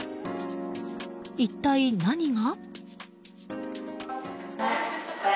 一体何が？